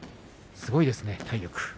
すごいですね、体力。